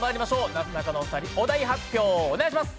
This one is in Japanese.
なすなかのお二人お題発表をお願いします。